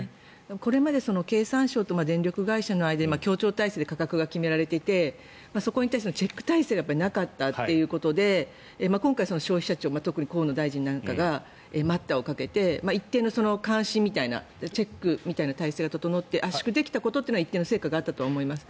これまで経産省と電力会社の間で協調体制で価格が決められていてそこに対してのチェック体制がなかったということで今回、消費者庁特に河野大臣なんかが待ったをかけて一定の監視みたいなチェックみたいな体制が整って圧縮できたことというのは一定の成果があったと思います。